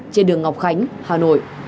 trên đường ngọc khánh hà nội